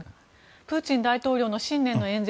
プーチン大統領の新年の演説